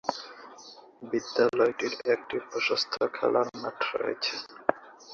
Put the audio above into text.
বিদ্যালয়টির একটি প্রশস্ত খেলার মাঠ রয়েছে।